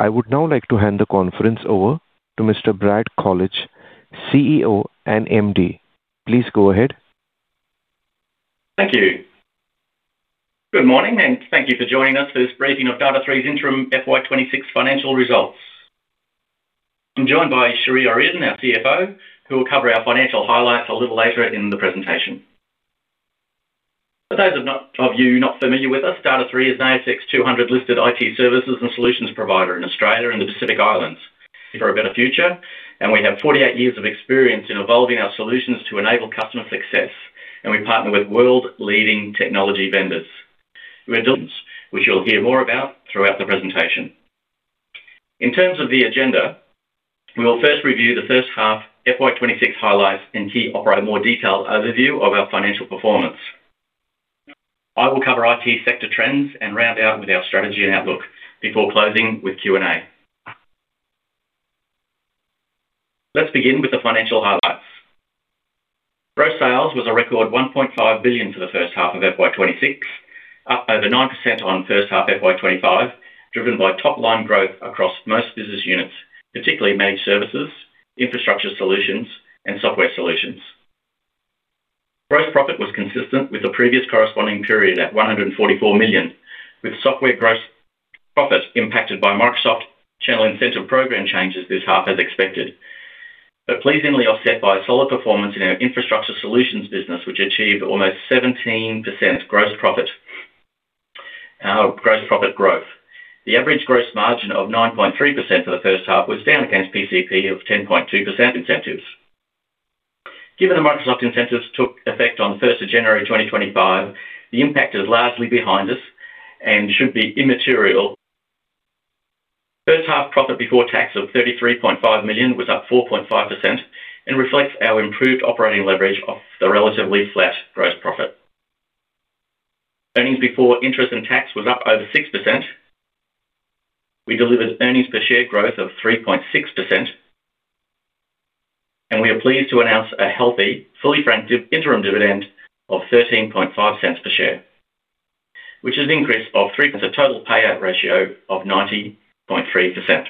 I would now like to hand the conference over to Mr. Brad Colledge, CEO and MD. Please go ahead. Thank you. Good morning, and thank you for joining us for this briefing of Data#3's interim FY 2026 financial results. I'm joined by Cherie O'Riordan, our CFO, who will cover our financial highlights a little later in the presentation. For those of you not familiar with us, Data#3 is an ASX 200 listed IT services and solutions provider in Australia and the Pacific Islands. For a better future, we have 48 years of experience in evolving our solutions to enable customer success, and we partner with world-leading technology vendors. Which you'll hear more about throughout the presentation. In terms of the agenda, we will first review the first half FY 2026 highlights and key operate more detailed overview of our financial performance. I will cover IT sector trends and round out with our strategy and outlook before closing with Q&A. Let's begin with the financial highlights. Gross sales was a record 1.5 billion for the first half of FY 2026, up over 9% on first half FY 2025, driven by top-line growth across most business units, particularly managed services, infrastructure solutions, and software solutions. Gross profit was consistent with the previous corresponding period at 144 million, with software gross profit impacted by Microsoft channel incentive program changes this half, as expected. Pleasingly offset by a solid performance in our infrastructure solutions business, which achieved almost 17% gross profit growth. The average gross margin of 9.3% for the first half was down against PCP of 10.2% incentives. Given the Microsoft incentives took effect on the 1st of January 2025, the impact is largely behind us and should be immaterial. First half Profit Before Tax of 33.5 million was up 4.5% and reflects our improved operating leverage off the relatively flat gross profit. Earnings Before Interest and Taxes was up over 6%. We delivered EPS growth of 3.6%, and we are pleased to announce a healthy, fully franked interim dividend of 0.135 per share, which is an increase of a total payout ratio of 90.3%.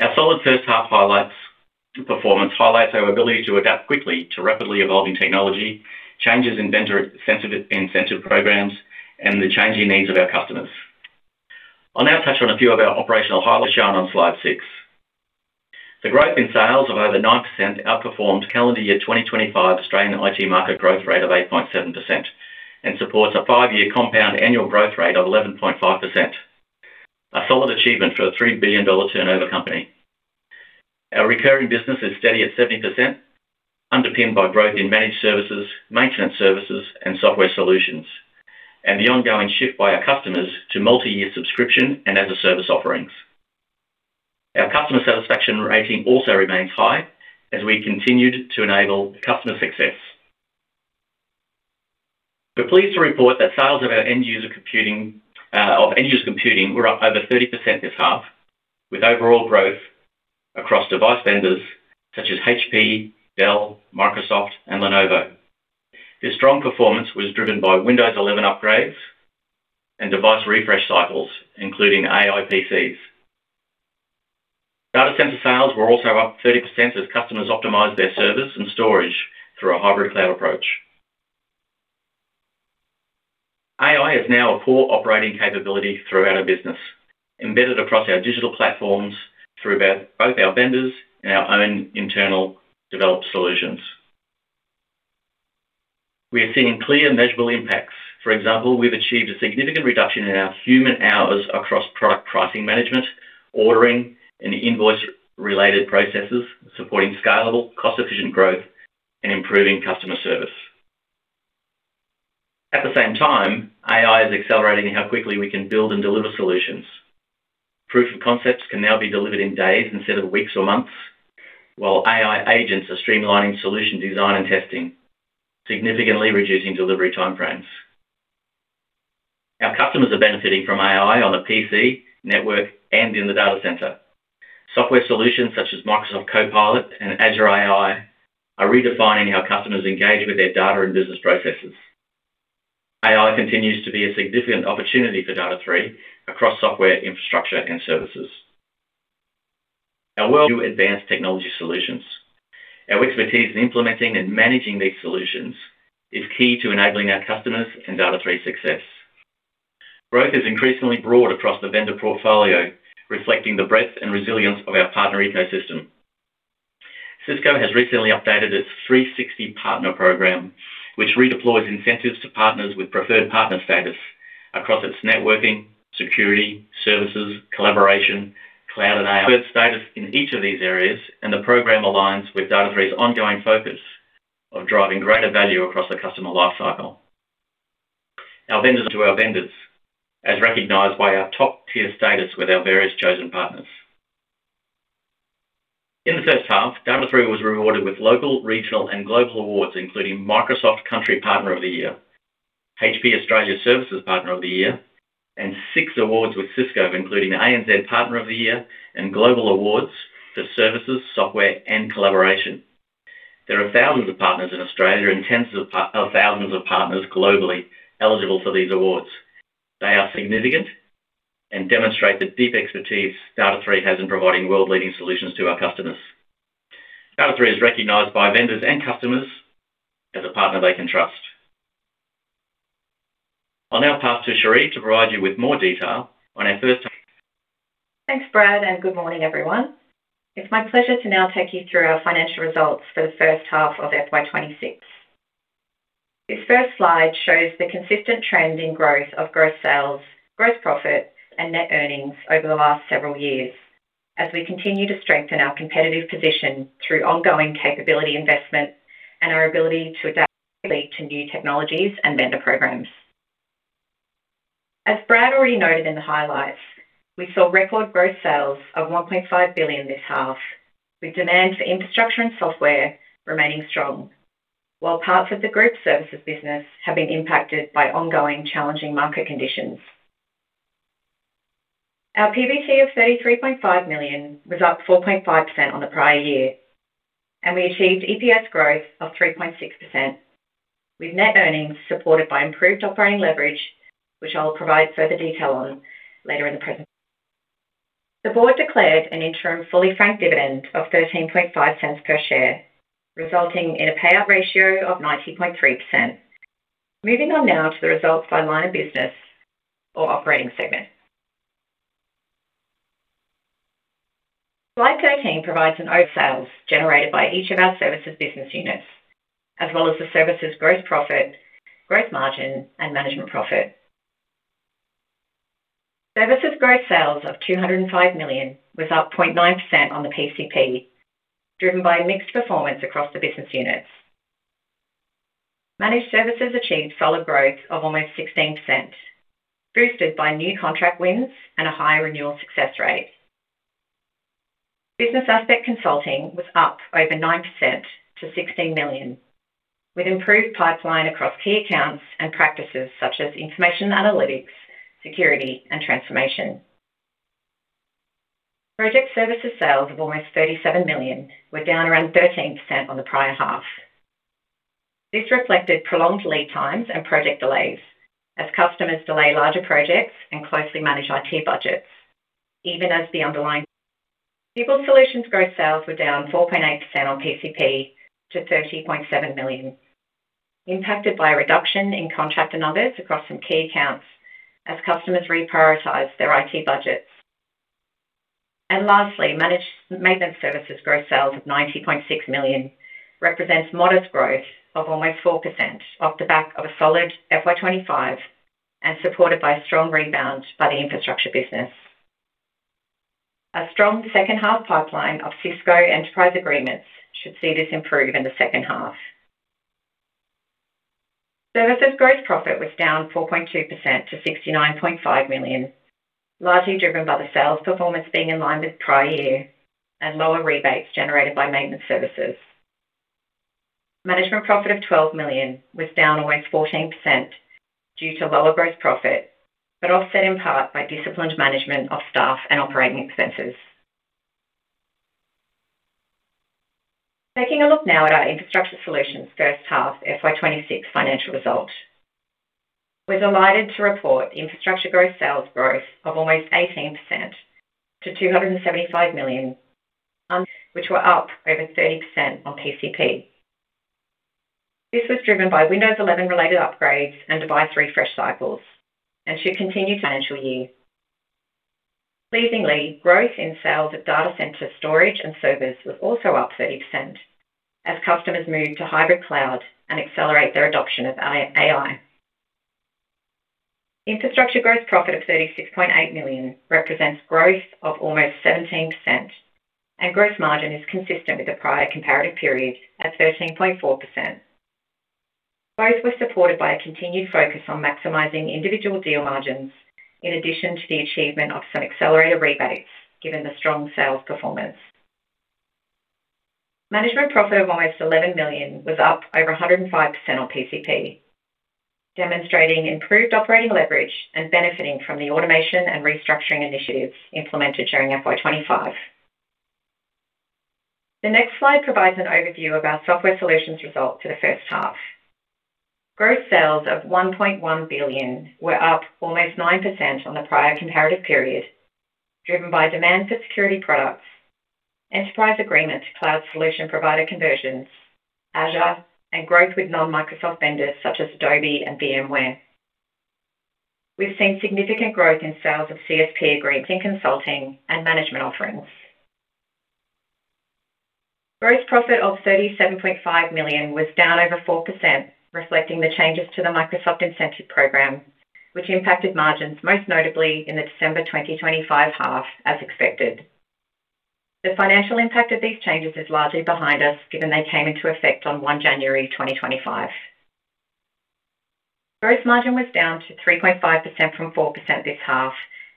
Our solid first half highlights to performance highlights our ability to adapt quickly to rapidly evolving technology, changes in vendor incentive, incentive programs, and the changing needs of our customers. I'll now touch on a few of our operational highlights shown on slide six. The growth in sales of over 9% outperformed calendar year 2025 Australian IT market growth rate of 8.7% and supports a five-year compound annual growth rate of 11.5%. A solid achievement for an 3 billion dollar turnover company. Our recurring business is steady at 70%, underpinned by growth in managed services, maintenance services, and software solutions, and the ongoing shift by our customers to multi-year subscription and as-a-service offerings. Our customer satisfaction rating also remains high as we continued to enable customer success. We're pleased to report that sales of our end user computing, of end-user computing were up over 30% this half, with overall growth across device vendors such as HP, Dell, Microsoft, and Lenovo. This strong performance was driven by Windows 11 upgrades and device refresh cycles, including AI PCs. data center sales were also up 30% as customers optimized their service and storage through a hybrid cloud approach. AI is now a core operating capability throughout our business, embedded across our digital platforms, through both our vendors and our own internal developed solutions. We are seeing clear, measurable impacts. For example, we've achieved a significant reduction in our human hours across product pricing management, ordering, and invoice-related processes, supporting scalable, cost-efficient growth and improving customer service. At the same time, AI is accelerating how quickly we can build and deliver solutions. Proof of concepts can now be delivered in days instead of weeks or months, while AI agents are streamlining solution design and testing, significantly reducing delivery timeframes. Our customers are benefiting from AI on a PC, network, and in the data center. Software solutions such as Microsoft Copilot and Azure AI are redefining how customers engage with their data and business processes. AI continues to be a significant opportunity for Data#3 across software, infrastructure, and services. Our world advanced technology solutions. Our expertise in implementing and managing these solutions is key to enabling our customers and Data#3 success. Growth is increasingly broad across the vendor portfolio, reflecting the breadth and resilience of our partner ecosystem. Cisco has recently updated its 360 Partner Program, which redeploys incentives to partners with preferred partner status across its networking, security, services, collaboration, cloud, and AI status in each of these areas. The program aligns with Data#3's ongoing focus of driving greater value across the customer life cycle. Our vendors, as recognized by our top-tier status with our various chosen partners. In the first half, Data#3 was rewarded with local, regional, and global awards, including Microsoft Country Partner of the Year, HP Australia Services Partner of the Year, and six awards with Cisco, including the ANZ Partner of the Year and global awards for services, software, and collaboration. There are thousands of partners in Australia and thousands of partners globally eligible for these awards. They are significant and demonstrate the deep expertise Data#3 has in providing world-leading solutions to our customers. Data#3 is recognized by vendors and customers as a partner they can trust. I'll now pass to Cherie to provide you with more detail on our first- Thanks, Brad. Good morning, everyone. It's my pleasure to now take you through our financial results for the first half of FY 2026. This first slide shows the consistent trend in growth of gross sales, gross profit, and net earnings over the last several years. As we continue to strengthen our competitive position through ongoing capability investments and our ability to adapt to new technologies and vendor programs. As Brad already noted in the highlights, we saw record growth sales of 1.5 billion this half, with demand for infrastructure and software remaining strong, while parts of the group services business have been impacted by ongoing challenging market conditions. Our PBT of 33.5 million was up 4.5% on the prior year. We achieved EPS growth of 3.6%, with net earnings supported by improved operating leverage, which I'll provide further detail on later in the present. The board declared an interim fully franked dividend of 0.135 per share, resulting in a payout ratio of 90.3%. Moving on now to the results by line of business or operating segment. Slide 13 provides an overview of sales generated by each of our services business units, as well as the services gross profit, growth margin, and management profit. Services gross sales of 205 million was up 0.9% on the PCP, driven by a mixed performance across the business units. Managed services achieved solid growth of almost 16%, boosted by new contract wins and a higher renewal success rate. Business Aspect consulting was up over 9% to 16 million, with improved pipeline across key accounts and practices such as information analytics, security, and transformation. Project services sales of almost 37 million were down around 13% on the prior half. This reflected prolonged lead times and project delays as customers delay larger projects and closely manage IT budgets, even as the underlying. People Solutions gross sales were down 4.8% on PCP to 30.7 million, impacted by a reduction in contract and others across some key accounts as customers reprioritize their IT budgets. Lastly, Managed Maintenance Services gross sales of 90.6 million represents modest growth of almost 4% off the back of a solid FY 2025 and supported by a strong rebound by the infrastructure business. A strong second half pipeline of Cisco Enterprise agreements should see this improve in the second half. Services gross profit was down 4.2% to 69.5 million, largely driven by the sales performance being in line with prior year and lower rebates generated by maintenance services. Management profit of 12 million was down almost 14% due to lower gross profit, but offset in part by disciplined management of staff and operating expenses. Taking a look now at our infrastructure solutions first half FY 2026 financial results. We're delighted to report infrastructure growth sales growth of almost 18% to 275 million, which were up over 30% on PCP. This was driven by Windows 11 related upgrades and device refresh cycles and should continue financial year. Pleasingly, growth in sales at data center storage and servers was also up 30% as customers move to hybrid cloud and accelerate their adoption of AI. Infrastructure growth profit of 36.8 million represents growth of almost 17%. Gross margin is consistent with the prior comparative period at 13.4%. Both were supported by a continued focus on maximizing individual deal margins in addition to the achievement of some accelerated rebates, given the strong sales performance. Management profit of almost 11 million was up over 105% on PCP, demonstrating improved operating leverage and benefiting from the automation and restructuring initiatives implemented during FY 2025. The next slide provides an overview of our software solutions results for the first half. Gross sales of 1.1 billion were up almost 9% on the prior comparative period, driven by demand for security products, enterprise agreements, Cloud Solution Provider conversions, Azure, and growth with non-Microsoft vendors such as Adobe and VMware. We've seen significant growth in sales of CSP agreements in consulting and management offerings. Gross profit of 37.5 million was down over 4%, reflecting the changes to the Microsoft incentive program, which impacted margins, most notably in the December 2025 half, as expected. The financial impact of these changes is largely behind us, given they came into effect on January 1, 2025. Gross margin was down to 3.5% from 4% this half,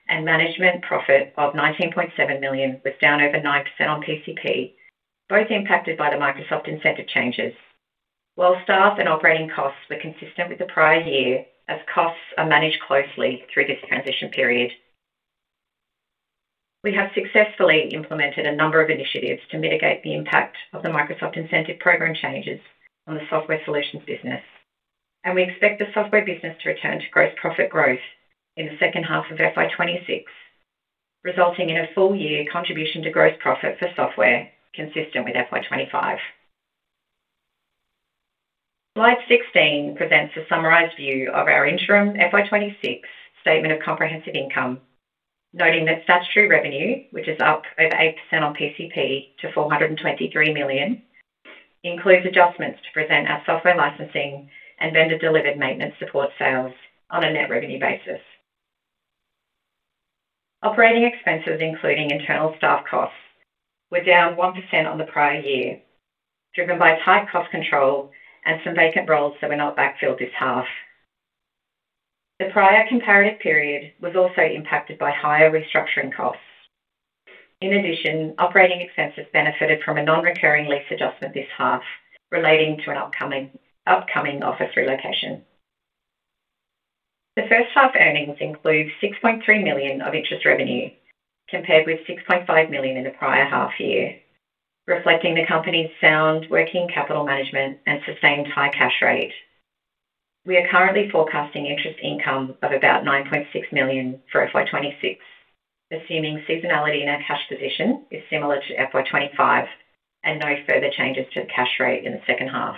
and management profit of 19.7 million was down over 9% on PCP, both impacted by the Microsoft incentive changes, while staff and operating costs were consistent with the prior year, as costs are managed closely through this transition period. We have successfully implemented a number of initiatives to mitigate the impact of the Microsoft incentive program changes on the software solutions business. We expect the software business to return to gross profit growth in the second half of FY 2026, resulting in a full year contribution to gross profit for software consistent with FY 2025. Slide 16 presents a summarized view of our interim FY 2026 statement of comprehensive income, noting that statutory revenue, which is up over 8% on PCP to 423 million, includes adjustments to present our software licensing and vendor-delivered maintenance support sales on a net revenue basis. Operating expenses, including internal staff costs, were down 1% on the prior year, driven by tight cost control and some vacant roles that were not backfilled this half. The prior comparative period was also impacted by higher restructuring costs. In addition, operating expenses benefited from a non-recurring lease adjustment this half, relating to an upcoming office relocation. The first half earnings include 6.3 million of interest revenue, compared with 6.5 million in the prior half year, reflecting the company's sound working capital management and sustained high cash rate. We are currently forecasting interest income of about 9.6 million for FY 2026, assuming seasonality in our cash position is similar to FY 2025 and no further changes to the cash rate in the second half.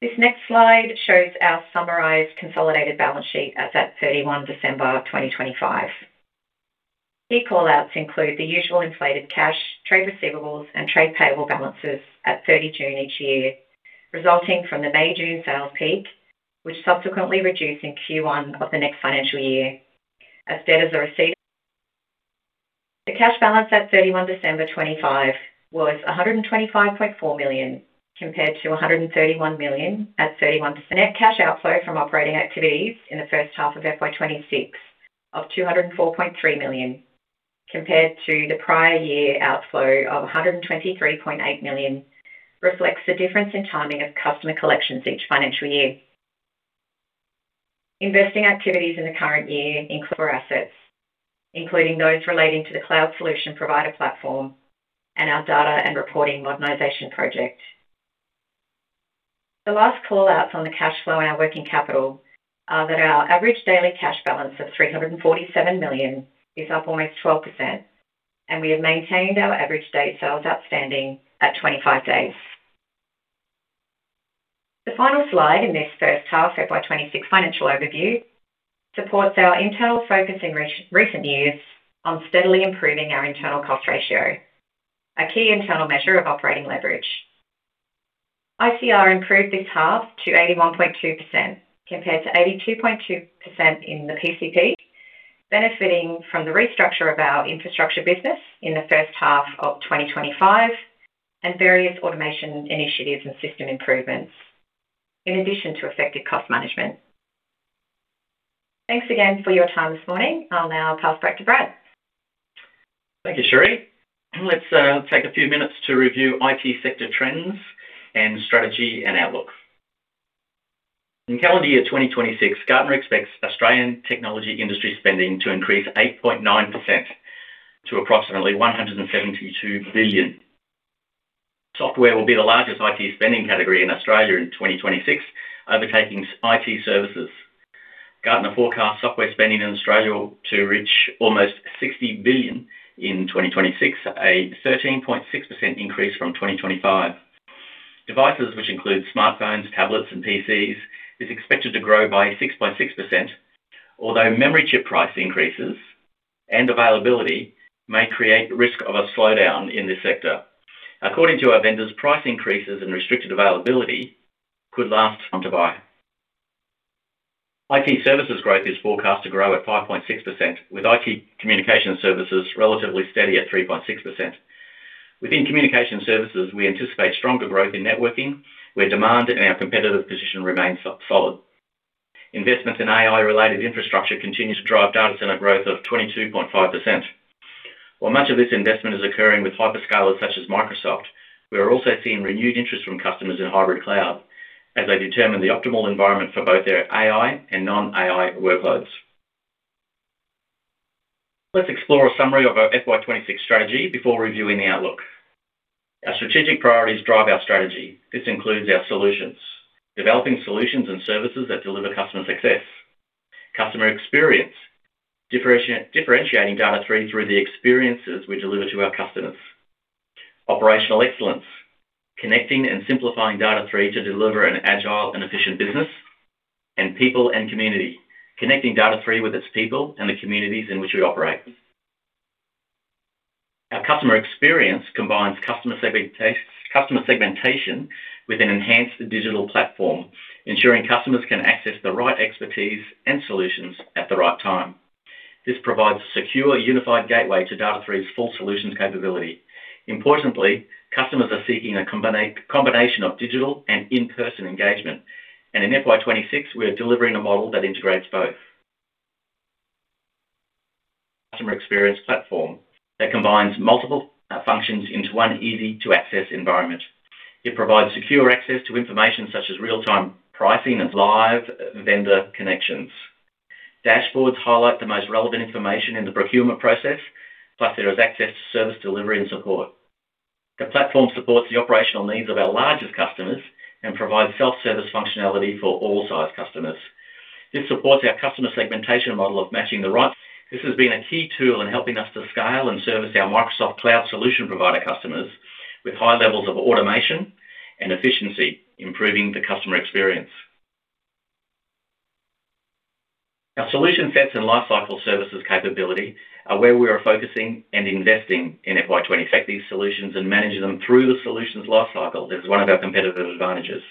This next slide shows our summarized consolidated balance sheet at December 31, 2025. Key call-outs include the usual inflated cash, trade receivables, and trade payable balances at June 30 each year, resulting from the May, June sales peak, which subsequently reduced in Q1 of the next financial year as debt is received. The cash balance at December 31, 2025 was 125.4 million, compared to 131 million at 31. The net cash outflow from operating activities in the first half of FY 2026 of 204.3 million, compared to the prior year outflow of 123.8 million, reflects the difference in timing of customer collections each financial year. Investing activities in the current year include four assets, including those relating to the Cloud Solution Provider platform and our data and reporting modernization project. The last call-outs on the cash flow and our working capital are that our average daily cash balance of 347 million is up almost 12%, and we have maintained our average day sales outstanding at 25 days. The final slide in this first half, FY 2026 financial overview, supports our internal focus in recent years on steadily improving our internal cost ratio, a key internal measure of operating leverage. ICR improved this half to 81.2%, compared to 82.2% in the PCP, benefiting from the restructure of our infrastructure business in the first half of 2025, and various automation initiatives and system improvements, in addition to effective cost management. Thanks again for your time this morning. I'll now pass it back to Brad. Thank you, Cherie. Let's take a few minutes to review IT sector trends and strategy and outlook. In calendar year 2026, Gartner expects Australian technology industry spending to increase 8.9% to approximately 172 billion. Software will be the largest IT spending category in Australia in 2026, overtaking IT services. Gartner forecasts software spending in Australia to reach almost 60 billion in 2026, a 13.6% increase from 2025. Devices, which include smartphones, tablets, and PCs, is expected to grow by 6.6%, although memory chip price increases and availability may create risk of a slowdown in this sector. According to our vendors, price increases and restricted availability could last long to buy. IT services growth is forecast to grow at 5.6%, with IT communication services relatively steady at 3.6%. Within communication services, we anticipate stronger growth in networking, where demand and our competitive position remains so-solid. Investments in AI-related infrastructure continue to drive data center growth of 22.5%. While much of this investment is occurring with hyperscalers such as Microsoft, we are also seeing renewed interest from customers in hybrid cloud as they determine the optimal environment for both their AI and non-AI workloads. Let's explore a summary of our FY 2026 strategy before reviewing the outlook. Our strategic priorities drive our strategy. This includes our solutions, developing solutions and services that deliver customer success. Customer experience, differentiating Data#3 through the experiences we deliver to our customers. Operational excellence, connecting and simplifying Data#3 to deliver an agile and efficient business. People and community, connecting Data#3 with its people and the communities in which we operate. Our customer experience combines customer segmentation with an enhanced digital platform, ensuring customers can access the right expertise and solutions at the right time. This provides a secure, unified gateway to Data#3's full solutions capability. Importantly, customers are seeking a combination of digital and in-person engagement, and in FY 2026, we are delivering a model that integrates both. Customer experience platform that combines multiple functions into one easy-to-access environment. It provides secure access to information such as real-time pricing and live vendor connections. Dashboards highlight the most relevant information in the procurement process, plus there is access to service delivery and support. The platform supports the operational needs of our largest customers and provides self-service functionality for all size customers. This supports our customer segmentation model of matching the right. This has been a key tool in helping us to scale and service our Microsoft Cloud Solution Provider customers with high levels of automation and efficiency, improving the customer experience. Our solution sets and lifecycle services capability are where we are focusing and investing in FY 2026, take these solutions and manage them through the solutions lifecycle is one of our competitive advantages.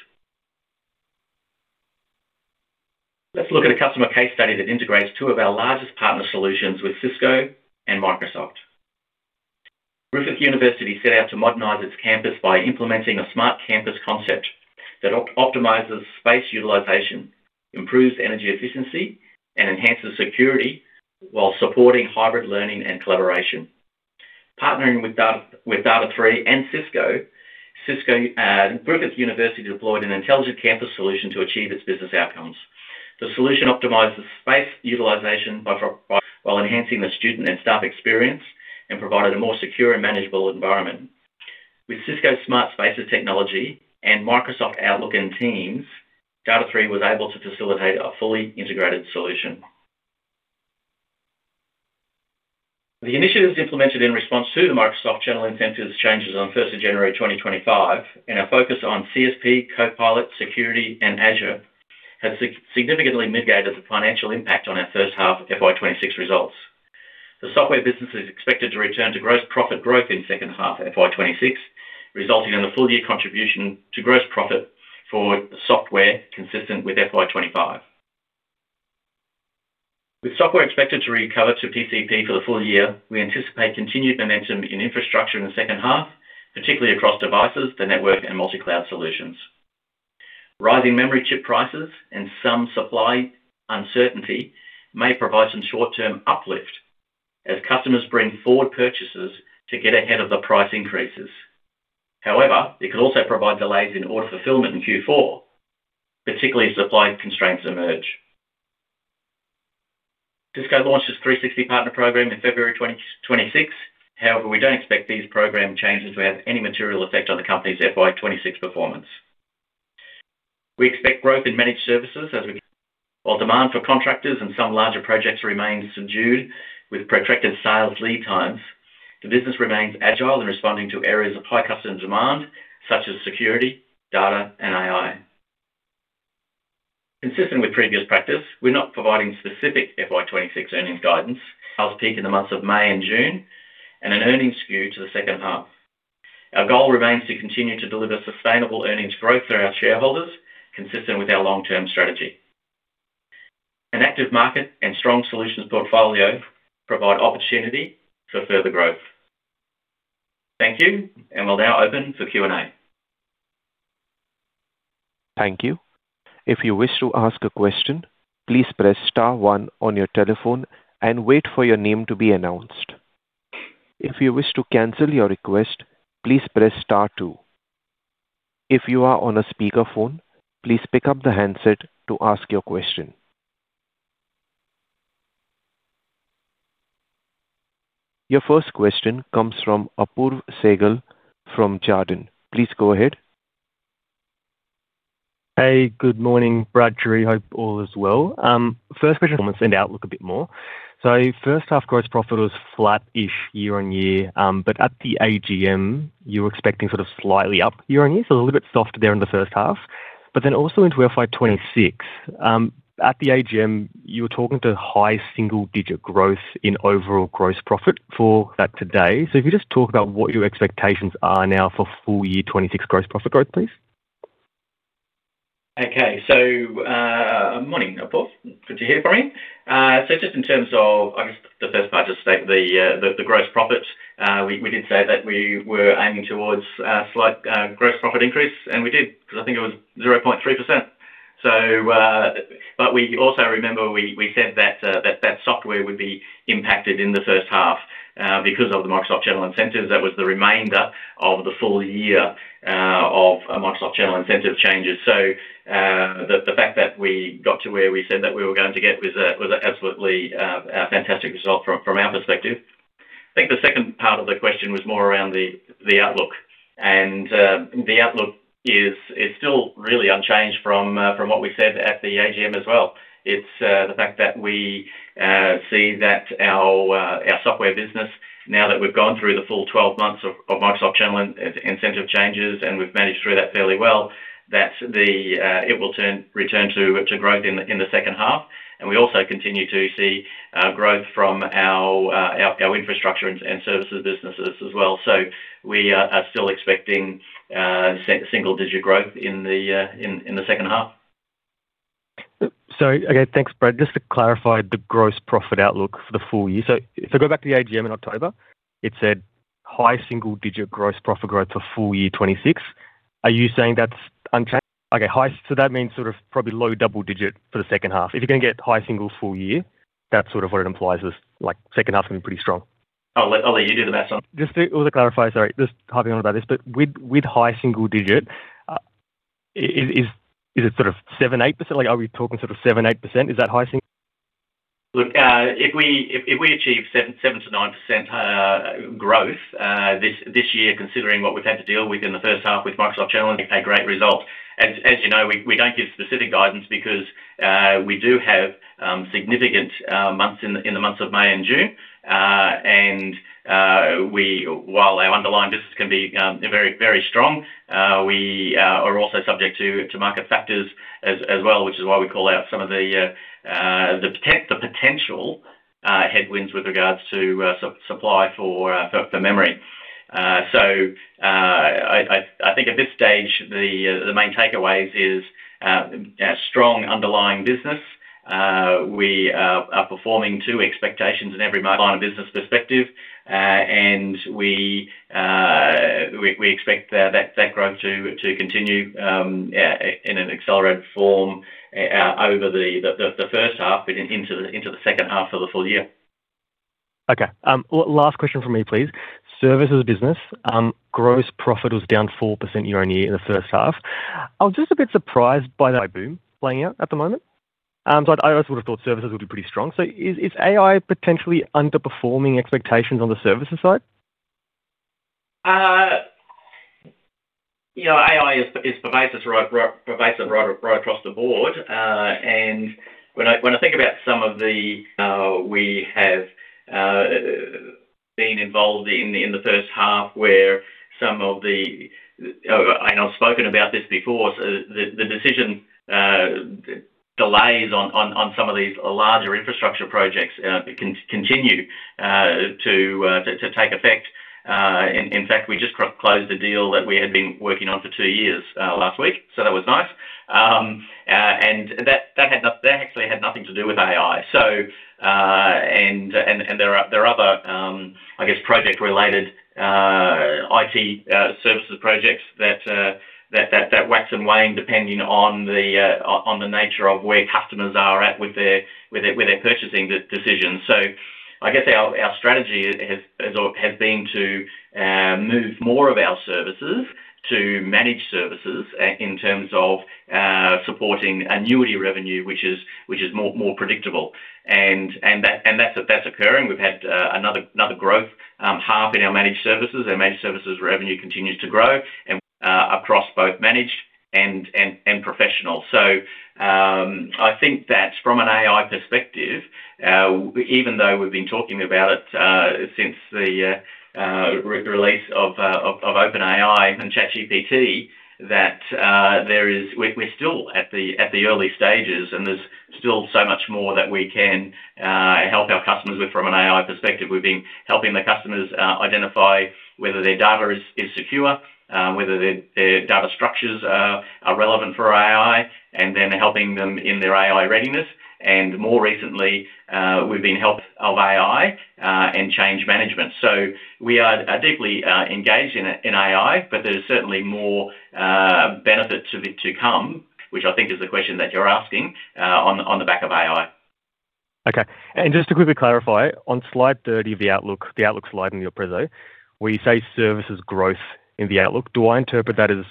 Let's look at a customer case study that integrates two of our largest partner solutions with Cisco and Microsoft. Griffith University set out to modernize its campus by implementing a smart campus concept that optimizes space utilization, improves energy efficiency, and enhances security while supporting hybrid learning and collaboration. Partnering with Data#3 and Cisco, Griffith University deployed an intelligent campus solution to achieve its business outcomes. The solution optimizes space utilization while enhancing the student and staff experience, and provided a more secure and manageable environment. With Cisco's Smart Spaces technology and Microsoft Outlook and Microsoft Teams, Data#3 was able to facilitate a fully integrated solution. The initiatives implemented in response to the Microsoft channel incentives changes on January 1, 2025, and our focus on CSP, Microsoft Copilot, Security, and Azure has significantly mitigated the financial impact on our first half of FY 2026 results. The software business is expected to return to gross profit growth in second half FY 2026, resulting in a full year contribution to gross profit for software consistent with FY 2025. With software expected to recover to PCP for the full year, we anticipate continued momentum in infrastructure in the second half, particularly across devices, the network, and multi-cloud solutions. Rising memory chip prices and some supply uncertainty may provide some short-term uplift as customers bring forward purchases to get ahead of the price increases. However, it could also provide delays in order fulfillment in Q4, particularly if supply constraints emerge. Cisco launched its 360 Partner Program in February 2026. However, we don't expect these program changes to have any material effect on the company's FY 2026 performance. We expect growth in managed services. While demand for contractors and some larger projects remains subdued with protracted sales lead times, the business remains agile in responding to areas of high customer demand, such as security, data, and AI. Consistent with previous practice, we're not providing specific FY 2026 earnings guidance. I'll speak in the months of May and June and an earnings skew to the second half. Our goal remains to continue to deliver sustainable earnings growth for our shareholders, consistent with our long-term strategy. An active market and strong solutions portfolio provide opportunity for further growth. Thank you, and we'll now open for Q&A. Thank you. If you wish to ask a question, please press star one on your telephone and wait for your name to be announced. If you wish to cancel your request, please press star two. If you are on a speakerphone, please pick up the handset to ask your question. Your first question comes from Apoorv Sehgal from Jarden. Please go ahead. Hey, good morning, Brad. Hope all is well. First question, I want to send Outlook a bit more. First half, gross profit was flat-ish year-over-year, but at the AGM, you were expecting sort of slightly up year-over-year, so a little bit softer there in the first half. Then also into FY 2026, at the AGM, you were talking to high single-digit growth in overall gross profit for that today. If you just talk about what your expectations are now for full year 2026 gross profit growth, please. Okay. Morning, Apoorv. Good to hear from you. Just in terms of, I guess, the first part, just state the gross profit, we did say that we were aiming towards a slight gross profit increase, and we did, because I think it was 0.3%. We also remember we said that software would be impacted in the first half because of the Microsoft channel incentives. That was the remainder of the full year of Microsoft channel incentive changes. The fact that we got to where we said that we were going to get was absolutely a fantastic result from our perspective. I think the second part of the question was more around the outlook. The outlook is, is still really unchanged from what we said at the AGM as well. It's the fact that we see that our software business, now that we've gone through the full 12 months of Microsoft channel incentive changes, and we've managed through that fairly well, that it will return to growth in the second half. We also continue to see growth from our infrastructure and services businesses as well. We are, are still expecting single-digit growth in the second half. Again, thanks, Brad. Just to clarify the gross profit outlook for the full year. Go back to the AGM in October, it said high single digit gross profit growth for full year 2026. Are you saying that's unchanged? Okay, that means sort of probably low double digit for the second half. If you're going to get high single full year, that's sort of what it implies, is like second half is going to be pretty strong. I'll let, I'll let you do the math on. Just to, or to clarify, sorry, just hopping on about this, but with, with high single digit, is, is, is it sort of 7%, 8%? Like, are we talking sort of 7%, 8%? Is that high single? Look, if we, if we achieve 7%-9% growth this year, considering what we've had to deal with in the first half with Microsoft Challenge, a great result. As you know, we don't give specific guidance because we do have significant months in the months of May and June. We, while our underlying business can be very, very strong, we are also subject to market factors as well, which is why we call out some of the potential headwinds with regards to supply for memory. I think at this stage, the main takeaways is a strong underlying business. We are performing to expectations in every line of business perspective, and we, we expect that growth to continue in an accelerated form over the first half and into the second half for the full year. Okay. Last question from me, please. Services business, gross profit was down 4% year-on-year in the first half. I was just a bit surprised by the boom playing out at the moment. I also would have thought services would be pretty strong. Is AI potentially underperforming expectations on the services side? You know, AI is, is pervasive right, pervasive right, right across the board. When I, when I think about some of the, we have been involved in, in the first half, where some of the, and I've spoken about this before, so the decision delays on, on, on some of these larger infrastructure projects, continue to, to take effect. In fact, we just closed a deal that we had been working on for two years, last week, so that was nice. That, that had that actually had nothing to do with AI. And, and, and there are, there are other, I guess, project-related IT services projects that, that, that wax and wane depending on the on the nature of where customers are at with their, with their, with their purchasing decisions. I guess our, our strategy has, is or has been to move more of our services, to manage services in terms of supporting annuity revenue, which is, which is more, more predictable. And, and that, and that's, that's occurring. We've had another, another growth half in our managed services. Our managed services revenue continues to grow, and across both managed and, and, and professional. I think that from an AI perspective, even though we've been talking about it since the re-release of OpenAI and ChatGPT, there is. We're still at the early stages, and there's still so much more that we can help our customers with from an AI perspective. We've been helping the customers identify whether their data is secure, whether their data structures are relevant for AI, and then helping them in their AI readiness. More recently, we've been helped of AI and change management. We are deeply engaged in AI, but there is certainly more benefit to it to come, which I think is the question that you're asking on the back of AI. Okay. Just to quickly clarify, on slide 30 of the outlook, the outlook slide in your presentation, where you say services growth in the outlook, do I interpret that as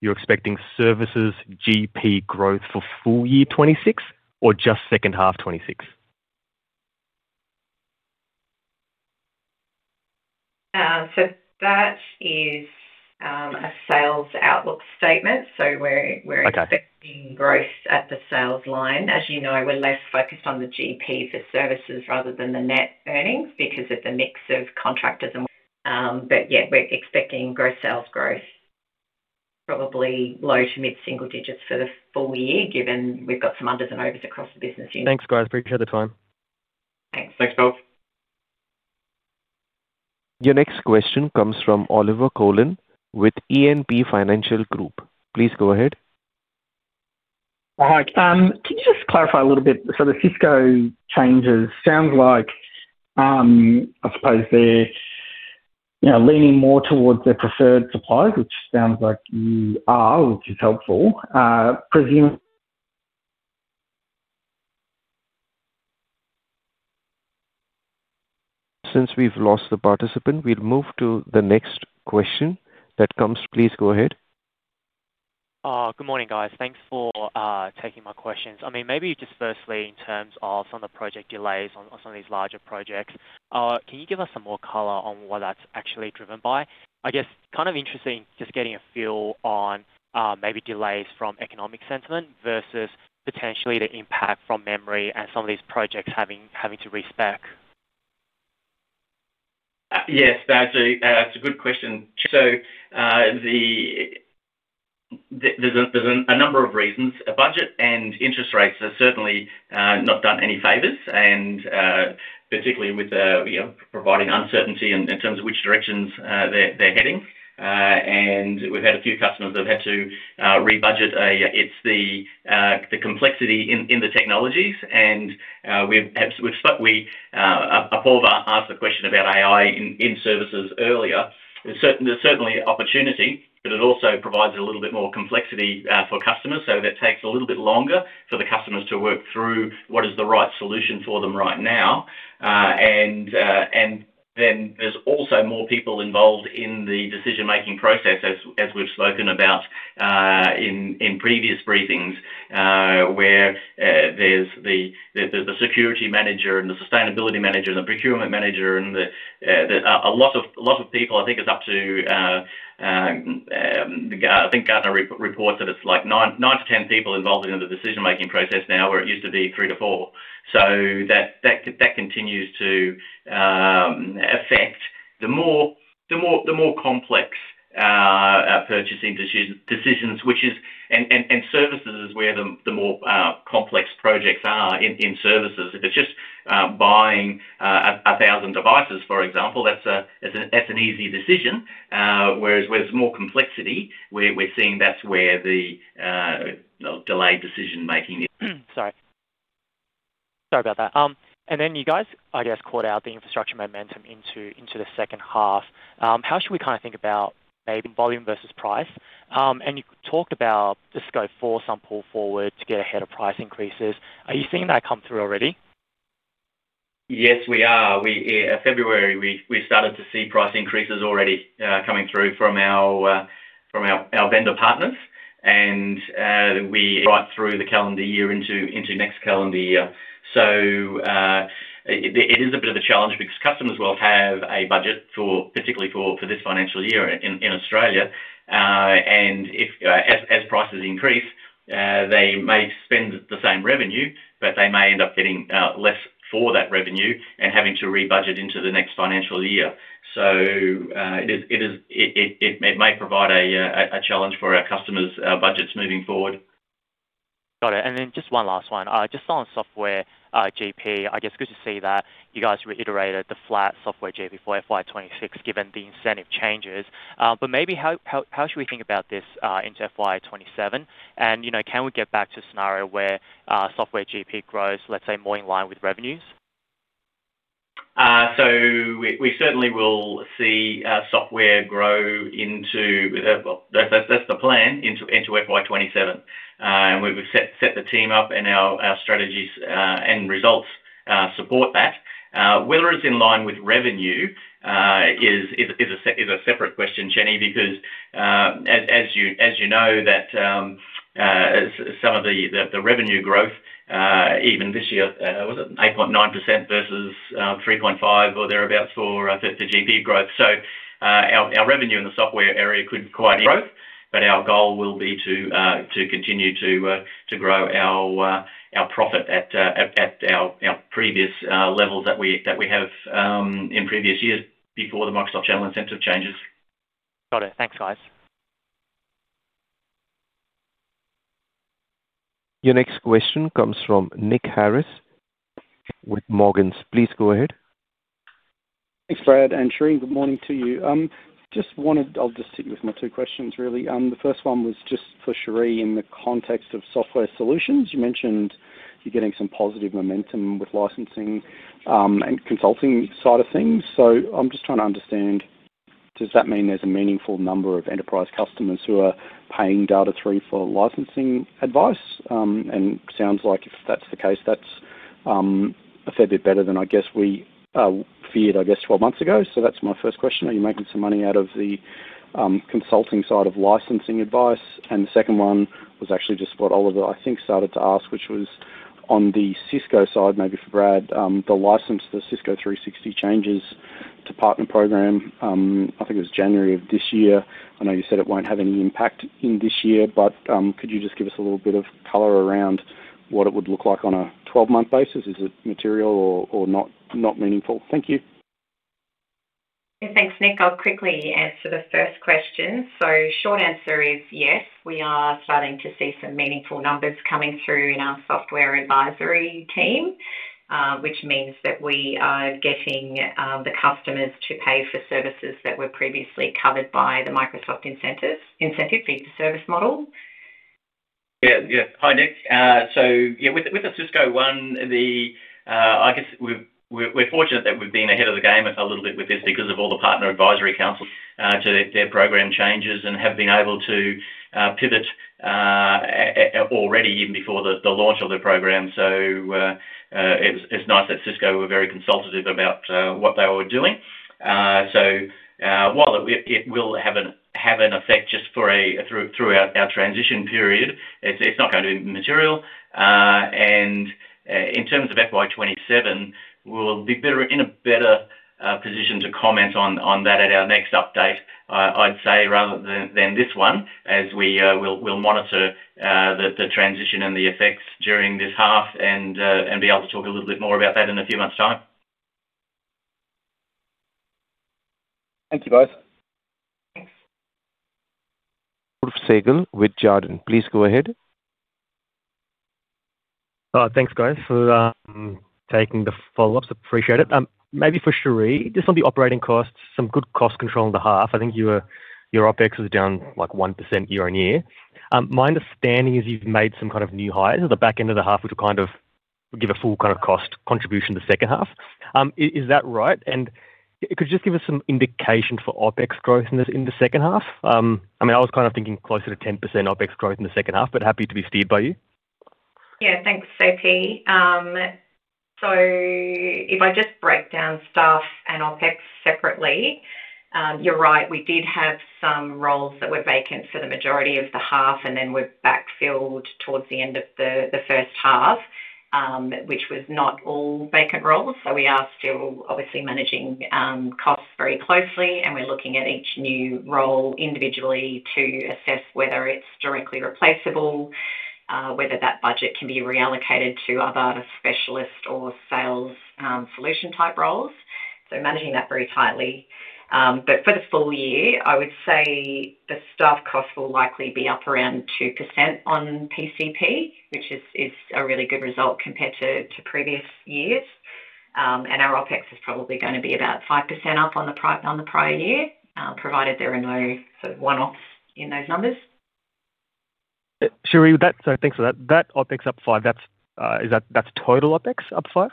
you're expecting services GP growth for full year 2026 or just second half 2026? That is a sales outlook statement. Okay. We're expecting growth at the sales line. As you know, we're less focused on the GP for services rather than the net earnings because of the mix of contractors and, but yeah, we're expecting gross sales growth, probably low to mid single digits for the full year, given we've got some unders and overs across the business unit. Thanks, guys. Appreciate the time. Thanks. Thanks, folks. Your next question comes from Olivier Coulon with E&P Financial Group. Please go ahead. Hi. Can you just clarify a little bit, so the Cisco changes? Sounds like, I suppose they're, you know, leaning more towards their preferred suppliers, which sounds like you are, which is helpful. presume- Since we've lost the participant, we'll move to the next question that comes. Please go ahead. Good morning, guys. Thanks for, taking my questions. I mean maybe just firstly, in terms of some of the project delays on, on some of these larger projects, can you give us some more color on what that's actually driven by? I guess kind of interesting, just getting a feel on, maybe delays from economic sentiment versus potentially the impact from memory and some of these projects having, having to rescope. Yes, that's a good question. There's a number of reasons. Budget and interest rates have certainly not done any favors, and particularly with, you know, providing uncertainty in terms of which directions they're heading. We've had a few customers that have had to rebudget. It's the complexity in the technologies, and we've have, we've start Apoorv asked a question about AI in services earlier. There's certain-there's certainly opportunity, but it also provides a little bit more complexity for customers. That takes a little bit longer for the customers to work through what is the right solution for them right now. Then there's also more people involved in the decision-making process, as, as we've spoken about, in previous briefings, where there's the, there's, there's the security manager and the sustainability manager and the procurement manager and the a lot of, a lot of people. I think it's up to, I think Gartner re-reports that it's like nine-10 people involved in the decision-making process now, where it used to be three-four. That, that, that continues to affect the more, the more, the more complex purchasing decisions, decisions, which is and, and, and services is where the, the more, complex projects are in, in services. If it's just buying, a, 1,000 devices, for example, that's a, that's an easy decision. whereas, where there's more complexity, we're, we're seeing that's where the delayed decision making is. Sorry. Sorry about that. Then you guys, I guess, called out the infrastructure momentum into, into the second half. How should we kind of think about maybe volume versus price? You talked about the scope for some pull forward to get ahead of price increases. Are you seeing that come through already? Yes, we are. We, February, we, we started to see price increases already, coming through from our, from our, our vendor partners, and, we right through the calendar year into next calendar year. It, it is a bit of a challenge because customers will have a budget for, particularly for, for this financial year in, in Australia. If, as, as prices increase, they may spend the same revenue, but they may end up getting less for that revenue and having to rebudget into the next financial year. It may provide a challenge for our customers', budgets moving forward. Got it. just one last one. just on software, GP, I guess good to see that you guys reiterated the flat software GP for FY 2026, given the incentive changes. But maybe how, how, how should we think about this into FY 2027? You know, can we get back to a scenario where software GP grows, let's say, more in line with revenues? We certainly will see software grow into. Well, that's the plan into FY 2027. We've set the team up and our strategies and results support that. Whether it's in line with revenue is a separate question, Chenny, because as you know, that some of the revenue growth, even this year, was it 8.9% versus 3.5% or thereabout for the GP growth? Our revenue in the software area could quite grow, but our goal will be to continue to grow our profit at our previous levels that we have in previous years before the Microsoft channel incentive changes. Got it. Thanks, guys. Your next question comes from Nick Harris with Morgans. Please go ahead. Thanks, Brad and Cherie. Good morning to you. I'll just hit you with my two questions really. The first one was just for Cherie. In the context of software solutions, you mentioned you're getting some positive momentum with licensing and consulting side of things. I'm just trying to understand, does that mean there's a meaningful number of enterprise customers who are paying Data#3 for licensing advice? Sounds like if that's the case, that's a fair bit better than I guess we feared, I guess, 12 months ago. That's my first question. Are you making some money out of the consulting side of licensing advice? The second one was actually just what Olivier, I think, started to ask, which was on the Cisco side, maybe for Brad, the license, the Cisco 360 changes to partner program. I think it was January of this year. I know you said it won't have any impact in this year, but could you just give us a little bit of color around what it would look like on a 12-month basis? Is it material or, or not, not meaningful? Thank you. Thanks, Nick. I'll quickly answer the first question. Short answer is yes, we are starting to see some meaningful numbers coming through in our software advisory team, which means that we are getting the customers to pay for services that were previously covered by the Microsoft Incentive Fee for Service model. Yeah. Yeah. Hi, Nick. Yeah, with the, with the Cisco one, the, I guess we're, we're fortunate that we've been ahead of the game a little bit with this because of all the partner advisory councils to their, their program changes and have been able to pivot already even before the launch of the program. It's, it's nice that Cisco were very consultative about what they were doing. While it, it will have an effect just for a, throughout our transition period, it's, it's not going to be material. In terms of FY 2027, we'll be in a better position to comment on that at our next update, I'd say, rather than this one, as we'll monitor the transition and the effects during this half and be able to talk a little bit more about that in a few months' time. Thank you, guys. Thanks. Sehgal with Jarden. Please go ahead. Thanks, guys, for taking the follow-ups. Appreciate it. Maybe for Cherie, just on the operating costs, some good cost control in the half. I think your, your OpEx was down, like, 1% year-on-year. My understanding is you've made some kind of new hires at the back end of the half, which will kind of give a full kind of cost contribution to the second half. Is that right? Could you just give us some indication for OpEx growth in the, in the second half? I mean, I was kind of thinking closer to 10% OpEx growth in the second half, but happy to be steered by you. Yeah, thanks, Sehgal. If I just break down staff and OpEx separately, you're right, we did have some roles that were vacant for the majority of the half and then were backfilled towards the end of the first half, which was not all vacant roles. We are still obviously managing costs very closely, and we're looking at each new role individually to assess whether it's directly replaceable, whether that budget can be reallocated to other specialist or sales solution-type roles. Managing that very tightly. But for the full year, I would say the staff costs will likely be up around 2% on PCP, which is a really good result compared to previous years. Our OpEx is probably going to be about 5% up on the prior year, provided there are no sort of one-offs in those numbers. Cherie, so thanks for that. That OpEx up 5%, that's, is that, that's total OpEx up 5%?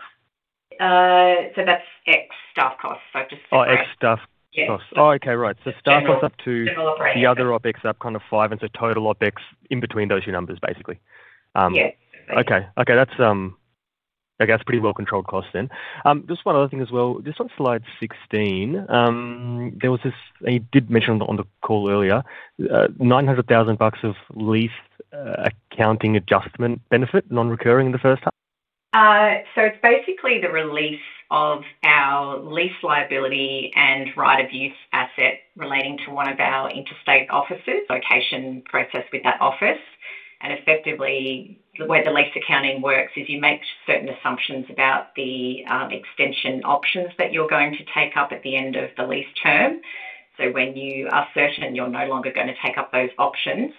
That's ex-staff costs. Oh, ex-staff costs. Yeah. Oh, okay. Right. General. Staff costs up. General operating. The other OpEx up kind of five, and so total OpEx in between those two numbers, basically. Yeah. Okay. Okay, I guess, pretty well-controlled costs then. Just one other thing as well. Just on slide 16, there was this, and you did mention on the, on the call earlier, 900,000 bucks of lease, accounting adjustment benefit, non-recurring in the first half? It's basically the release of our lease liability and right of use asset relating to one of our interstate offices, location process with that office. Effectively, the way the lease accounting works is you make certain assumptions about the extension options that you're going to take up at the end of the lease term. When you are certain you're no longer going to take up those options,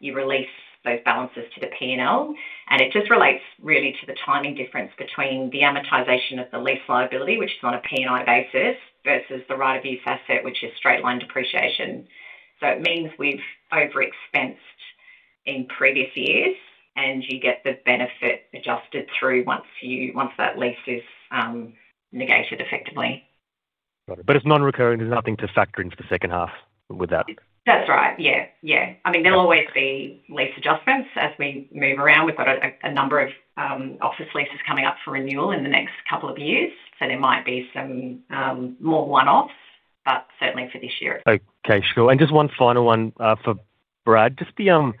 you release those balances to the P&L, and it just relates really to the timing difference between the amortization of the lease liability, which is on a P&I basis, versus the right of use asset, which is straight line depreciation. It means we've over-expensed in previous years, and you get the benefit adjusted through once you once that lease is negated effectively. Got it. It's non-recurring, there's nothing to factor into the second half with that? That's right. Yeah. Yeah. I mean, there'll always be lease adjustments as we move around. We've got a, a number of office leases coming up for renewal in the next couple of years, so there might be some more one-offs, but certainly for this year. Okay, sure. Just one final one for Brad. Just the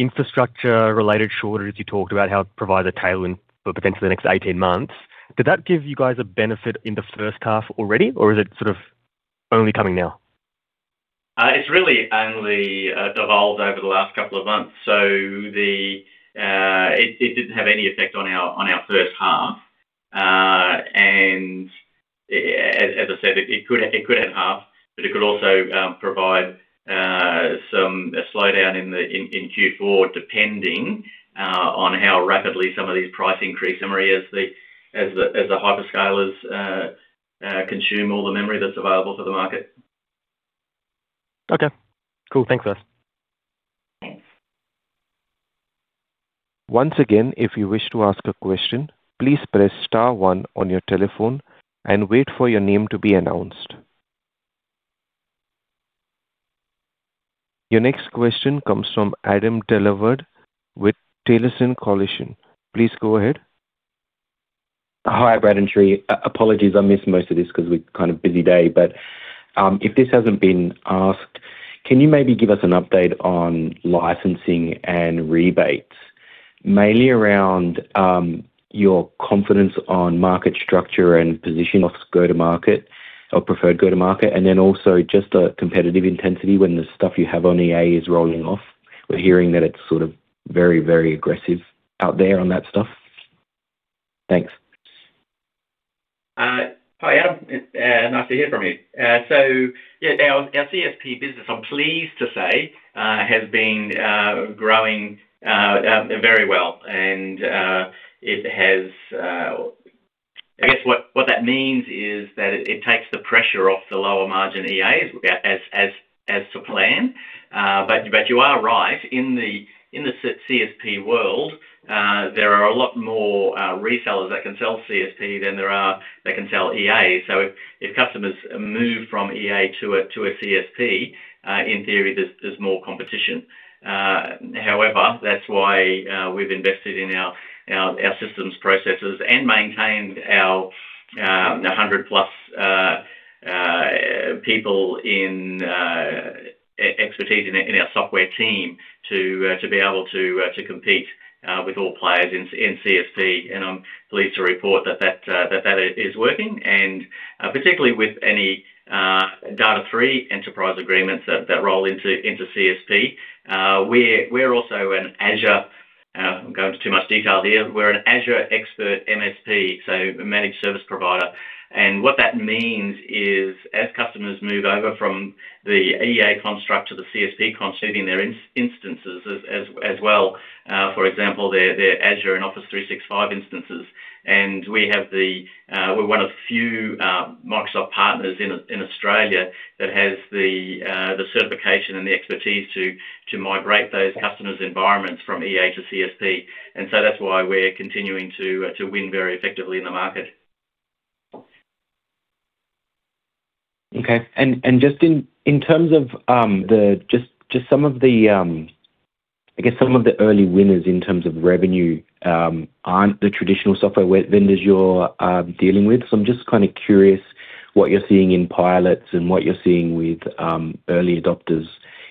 infrastructure related shortage, you talked about how it provided a tailwind for potentially the next 18 months. Did that give you guys a benefit in the first half already, or is it sort of only coming now? It's really only devolved over the last couple of months, so the, it, it didn't have any effect on our, on our first half. As, as I said, it could, it could in half, but it could also provide some, a slowdown in the, in, in Q4, depending, on how rapidly some of these price increase memory as the, as the, as the hyperscalers consume all the memory that's available to the market. Okay, cool. Thanks, guys. Thanks. Once again, if you wish to ask a question, please press star one on your telephone and wait for your name to be announced. Your next question comes from Adam Dellaverde with Taylor Collison. Please go ahead. Hi, Brad and Cherie. Apologies, I missed most of this because we've kind of busy day, but if this hasn't been asked, can you maybe give us an update on licensing and rebates? Mainly around your confidence on market structure and position of go-to-market or preferred go-to-market, and then also just the competitive intensity when the stuff you have on EA is rolling off. We're hearing that it's sort of very, very aggressive out there on that stuff. Thanks. Hi, Adam. It nice to hear from you. Yeah, our, our CSP business, I'm pleased to say, has been growing very well, and it has... I guess what, what that means is that it takes the pressure off the lower margin EA as, as, as to plan. You are right, in the, in the CSP world, there are a lot more resellers that can sell CSP than there are that can sell EA. If customers move from EA to a, to a CSP, in theory, there's, there's more competition. However, that's why we've invested in our systems, processes, and maintained our 100+ people in e-expertise in our software team to be able to compete with all players in CSP. And I'm pleased to report that that is working and particularly with any Data#3 enterprise agreements that roll into CSP. We're also an Azure, I'm going into too much detail here. We're an Azure Expert MSP, so a managed service provider. And what that means is as customers move over from the EA construct to the CSP construct in their instances as well, for example, their Azure and Office 365 instances. We have the, we're one of the few, Microsoft partners in, in Australia that has the, the certification and the expertise to, to migrate those customers' environments from EA to CSP. So that's why we're continuing to, to win very effectively in the market. Okay. Just in terms of the, I guess some of the early winners in terms of revenue, aren't the traditional software vendors you're dealing with. I'm just kind of curious what you're seeing in pilots and what you're seeing with early adopters,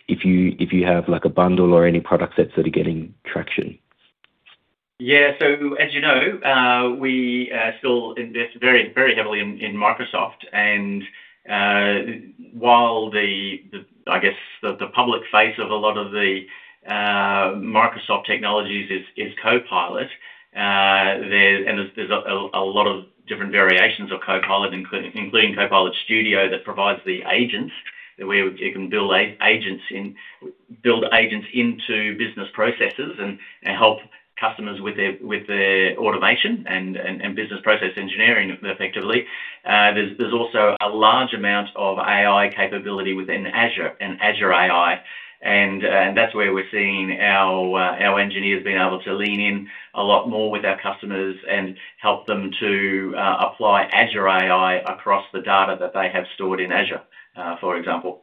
if you, if you have like a bundle or any product sets that are getting traction? Yeah. As you know, we still invest very, very heavily in Microsoft. While the, the, I guess, the, the public face of a lot of the Microsoft technologies is, is Copilot, there's, there's a lot of different variations of Copilot, including, including Copilot Studio that provides the agents, where you can build agents into business processes and, and help customers with their, with their automation and, and, and business process engineering effectively. There's, there's also a large amount of AI capability within Azure and Azure AI. That's where we're seeing our engineers being able to lean in a lot more with our customers and help them to apply Azure AI across the data that they have stored in Azure, for example.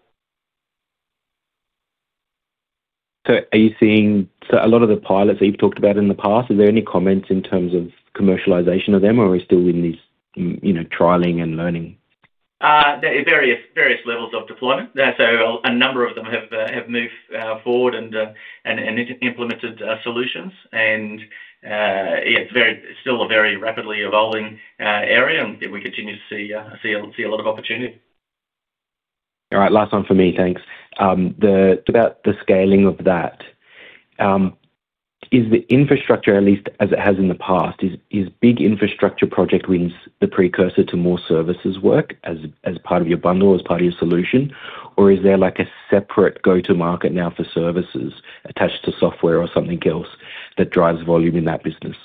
A lot of the pilots that you've talked about in the past, is there any comments in terms of commercialization of them, or are we still in this, you know, trialing and learning? There are various, various levels of deployment. A number of them have moved forward and implemented solutions. Yeah, it's still a very rapidly evolving area, and we continue to see a lot of opportunity. All right, last one for me. Thanks. About the scaling of that, is the infrastructure, at least as it has in the past, is big infrastructure project wins the precursor to more services work as part of your bundle, as part of your solution? Is there like a separate go-to-market now for services attached to software or something else that drives volume in that business?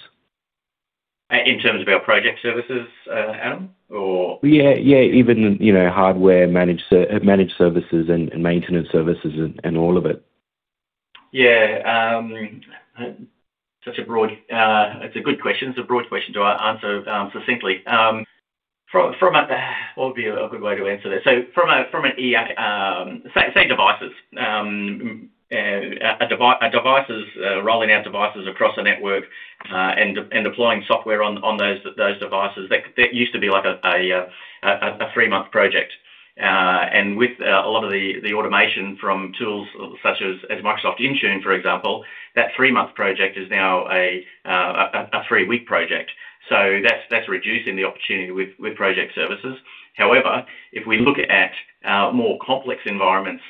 In terms of our project services, Adam, or? Yeah, yeah, even, you know, hardware, managed services and maintenance services and all of it. Yeah. Such a broad, it's a good question. It's a broad question to answer succinctly. From, from a, what would be a good way to answer this? From a, from an, say, say devices. A devices, rolling out devices across a network, and deploying software on, on those, those devices, that, that used to be like a, three-month project. With a lot of the, the automation from tools such as, as Microsoft Intune, for example, that three-month project is now a, three-week project. That's, that's reducing the opportunity with, with project services. However, if we look at more complex environments,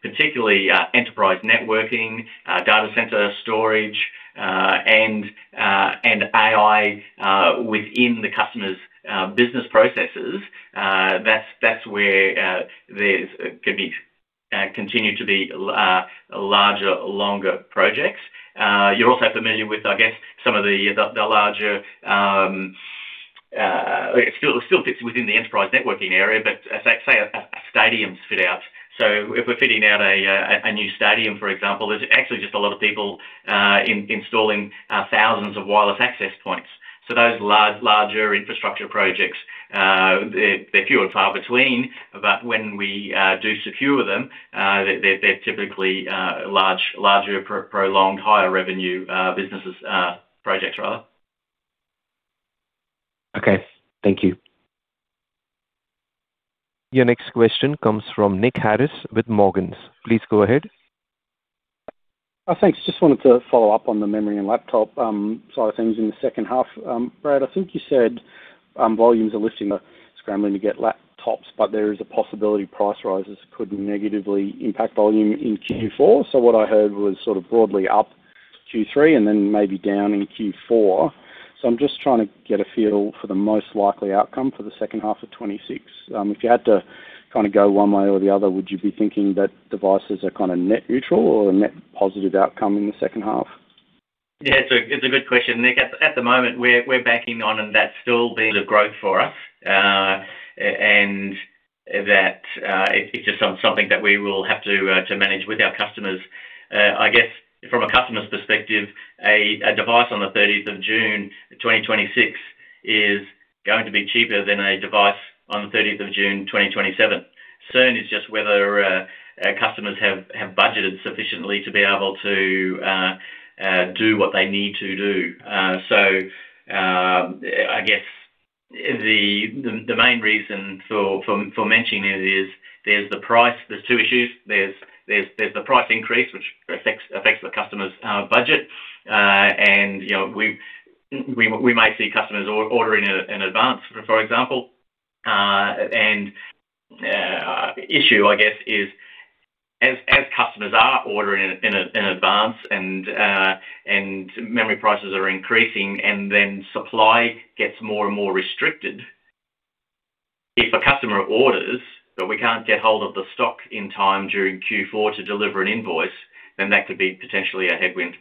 particularly enterprise networking, data center storage, and AI, within the customer's business processes, that's, that's where there's can be continue to be larger, longer projects. You're also familiar with, I guess, some of the, the, the larger, it still, still fits within the enterprise networking area, but as I say, a, a stadium fit out. If we're fitting out a new stadium, for example, there's actually just a lot of people installing thousands of wireless access points. Those larger infrastructure projects, they're, they're few and far between, but when we do secure them, they, they're typically large, larger, prolonged, higher revenue businesses, projects, rather. Okay. Thank you. Your next question comes from Nick Harris with Morgans. Please go ahead. Thanks. Just wanted to follow up on the memory and laptop side of things in the second half. Brad, I think you said volumes are lifting, are scrambling to get laptops, but there is a possibility price rises could negatively impact volume in Q4. What I heard was sort of broadly up Q3 and then maybe down in Q4. I'm just trying to get a feel for the most likely outcome for the second half of 2026. If you had to kind of go one way or the other, would you be thinking that devices are kind of net neutral or a net positive outcome in the second half? Yeah, it's a good question, Nick. At the moment, we're backing on, and that's still the growth for us. That, it's just something that we will have to manage with our customers. I guess from a customer's perspective, a device on June 30th, 2026 is going to be cheaper than a device on the June 30th, 2027. Certain is just whether our customers have budgeted sufficiently to be able to do what they need to do. I guess the main reason for mentioning it is there's the price. There's two issues: There's the price increase, which affects the customer's budget, and, you know, we might see customers ordering in advance, for example. Issue, I guess, is as, as customers are ordering in advance and, memory prices are increasing, and then supply gets more and more restricted, if a customer orders, but we can't get hold of the stock in time during Q4 to deliver an invoice, then that could be potentially a headwind.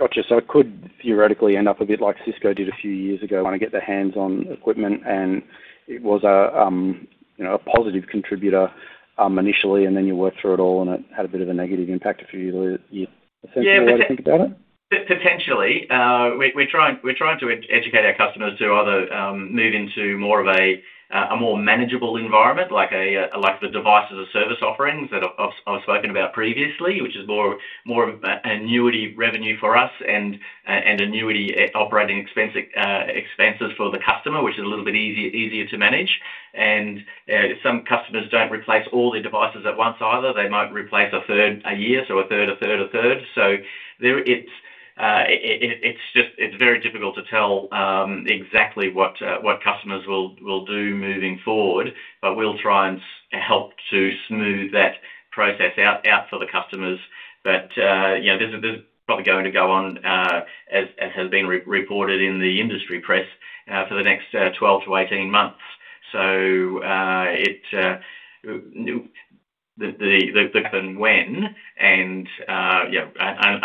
Got you. It could theoretically end up a bit like Cisco did a few years ago, want to get their hands on equipment, and it was a. You know, a positive contributor, initially, and then you work through it all, and it had a bit of a negative impact for you, essentially, how to think about it? Potentially. We, we're trying, we're trying to educate our customers to either move into more of a more manageable environment, like a like the Device as a Service offerings that I've, I've spoken about previously, which is more, more of an annuity revenue for us and annuity operating expense expenses for the customer, which is a little bit easier, easier to manage. Some customers don't replace all their devices at once either. They might replace a third a year, so a third, a third, a third. There it's, it's, it's just, it's very difficult to tell exactly what what customers will, will do moving forward, but we'll try and help to smooth that process out, out for the customers. You know, this is, this is probably going to go on, as, as has been re-reported in the industry press, for the next 12-18 months. it, the, the, the when and, yeah,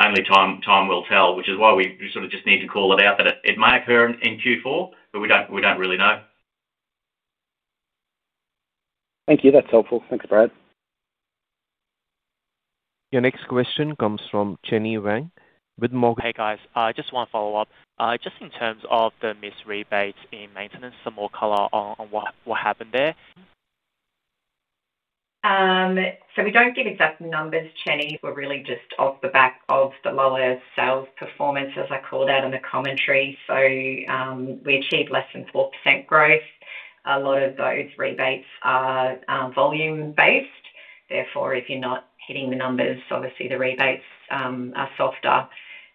only time, time will tell, which is why we sort of just need to call it out, that it, it might occur in Q4, but we don't, we don't really know. Thank you. That's helpful. Thanks, Brad. Your next question comes from Chenny Wang with Morgan- Hey, guys. Just one follow-up. Just in terms of the missed rebates in maintenance, some more color on, on what, what happened there? We don't give exact numbers, Chenny. We're really just off the back of the lower sales performance, as I called out in the commentary. We achieved less than 4% growth. A lot of those rebates are, are volume-based; therefore, if you're not hitting the numbers, obviously, the rebates are softer.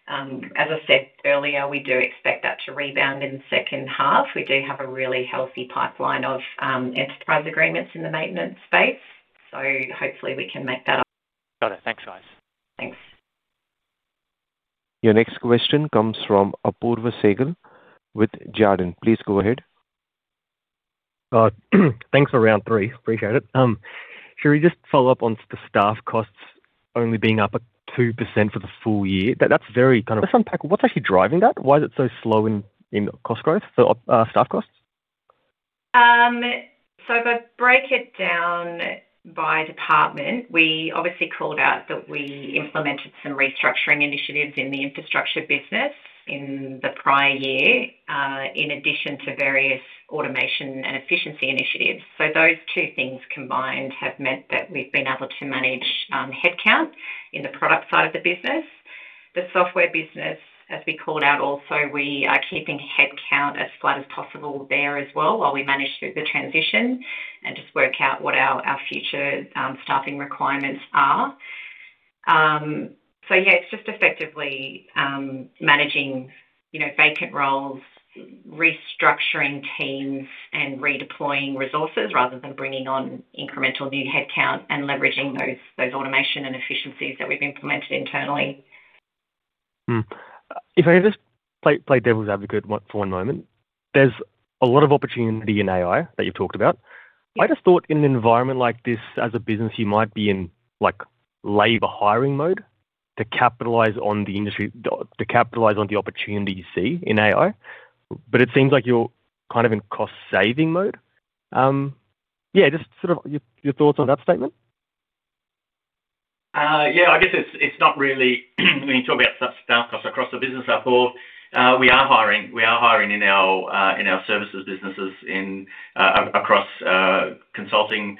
As I said earlier, we do expect that to rebound in the second half. We do have a really healthy pipeline of enterprise agreements in the maintenance space, so hopefully we can make that up. Got it. Thanks, guys. Thanks. Your next question comes from Apoorv Sehgal with Jarden. Please go ahead. Thanks for round three. Appreciate it. Cherie, just follow up on the staff costs only being up at 2% for the full year. That's very. Let's unpack what's actually driving that? Why is it so slow in, in cost growth for staff costs? If I break it down by department, we obviously called out that we implemented some restructuring initiatives in the infrastructure business in the prior year, in addition to various automation and efficiency initiatives. Those two things combined have meant that we've been able to manage headcount in the product side of the business. The software business, as we called out also, we are keeping headcount as flat as possible there as well, while we manage through the transition and just work out what our, our future staffing requirements are. It's just effectively managing, you know, vacant roles, restructuring teams, and redeploying resources, rather than bringing on incremental new headcount and leveraging those, those automation and efficiencies that we've implemented internally. If I just play devil's advocate for one moment. There's a lot of opportunity in AI that you've talked about. Yes. I just thought in an environment like this, as a business, you might be in, like, labor hiring mode to capitalize on the industry-- to capitalize on the opportunity you see in AI. It seems like you're kind of in cost-saving mode. Yeah, just sort of your, your thoughts on that statement? Yeah, I guess it's, it's not really, when you talk about staff costs across the business upfront, we are hiring, we are hiring in our in our services businesses in across consulting,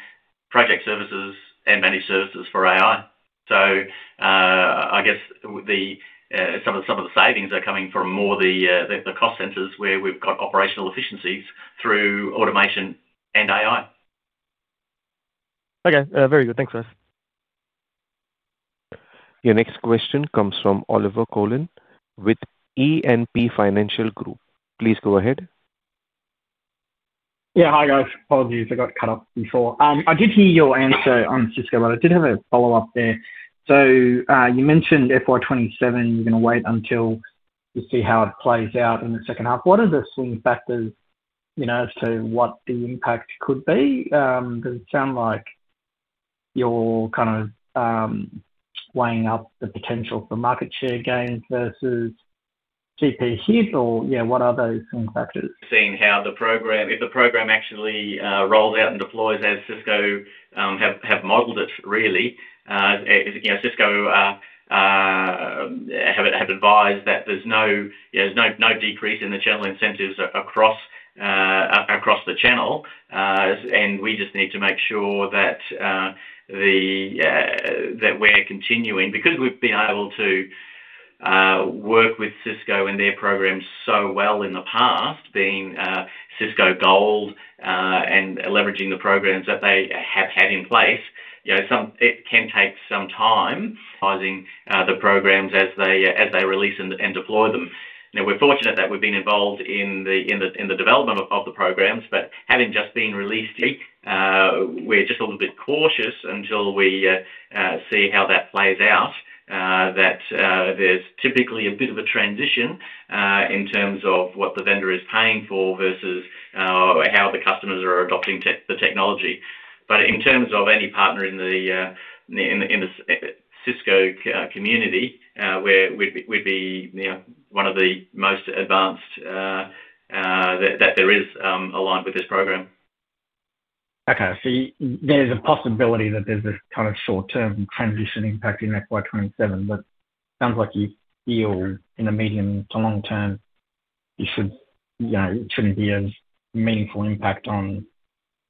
project services, and managed services for AI. I guess the some of, some of the savings are coming from more the the cost centers, where we've got operational efficiencies through automation and AI. Okay. Very good. Thanks, guys. Your next question comes from Olivier Coulon with E&P Financial Group. Please go ahead. Yeah. Hi, guys. Apologies, I got cut off before. I did hear your answer on Cisco, I did have a follow-up there. You mentioned FY 2027, you're going to wait until you see how it plays out in the second half. What are the swing factors, you know, as to what the impact could be? Because it sound like you're kind of weighing up the potential for market share gains versus GP hit or, yeah, what are those swing factors? Seeing how the program if the program actually rolls out and deploys as Cisco have modeled it, really. You know, Cisco have advised that there's no no decrease in the channel incentives across the channel. We just need to make sure that the that we're continuing, because we've been able to work with Cisco and their programs so well in the past, being Cisco Gold and leveraging the programs that they have had in place. You know, some It can take some time, advising the programs as they, as they release and, and deploy them. Now, we're fortunate that we've been involved in the, in the, in the development of, of the programs, but having just been released, we're just a little bit cautious until we see how that plays out. That there's typically a bit of a transition in terms of what the vendor is paying for versus how the customers are adopting tech, the technology. But in terms of any partner in the, in the, in the Cisco community, we're, we'd be, we'd be, you know, one of the most advanced that there is, aligned with this program. Okay, there's a possibility that there's this kind of short-term transition impact in FY 2027, but sounds like you feel in the medium to long term, you should, you know, it shouldn't be a meaningful impact on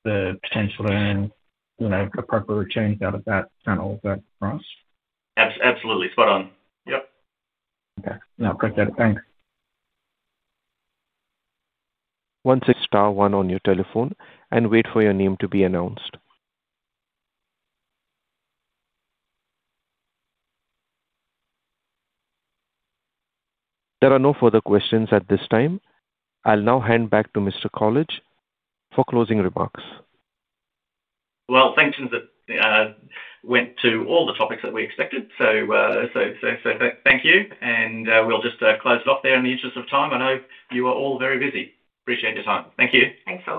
the potential earn, you know, appropriate returns out of that channel effect for us? Absolutely. Spot on. Yep. Okay. Now, got that. Thanks. Once it's star one on your telephone and wait for your name to be announced. There are no further questions at this time. I'll now hand back to Mr. Colledge for closing remarks. Well, thanks. Since it went to all the topics that we expected. Thank you, and we'll just close it off there in the interest of time. I know you are all very busy. Appreciate your time. Thank you. Thanks, all.